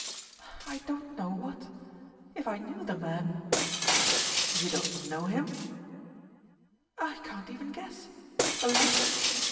"I don't know what. If I knew the man " "You don't know him?" "I can't even guess. The light